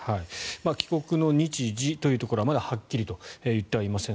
帰国の日時というところははっきりとは言っていません。